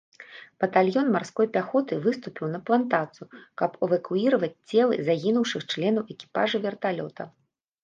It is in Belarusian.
Батальён марской пяхоты выступіў на плантацыю, каб эвакуіраваць целы загінуўшых членаў экіпажа верталёта.